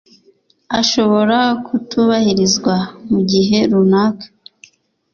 ashobora kutubahirizwa mugihe runaka